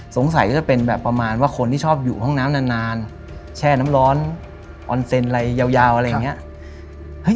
สงสัยก็จะเป็นแบบประมาณว่าคนที่ชอบอยุ่ห้องน้ำนานแช่น้ำร้อนออนเซ็นต์วิมัติอะไรเยา